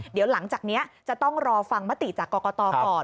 เดี๋ยวหลังจากนี้จะต้องรอฟังมติจากกรกตก่อน